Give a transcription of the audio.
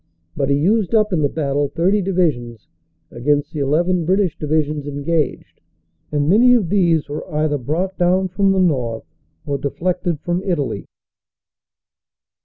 But he used up in the battle 30 divisions against the 11 British divisions engaged, and many of these were either brought down from the north or deflected from Italy.